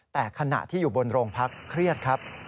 แต่ขณะที่อยู่บนโรงพักเครียดครับ